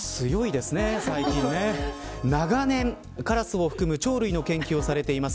長年カラスを含む鳥類の研究をされています